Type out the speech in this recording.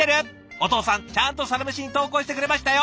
お父さんちゃんと「サラメシ」に投稿してくれましたよ。